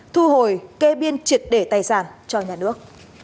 thu hồi kê biên triệt để tài sản cho nhà nước